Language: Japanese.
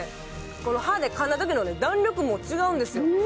この歯でかんだときの弾力が違うんですよ。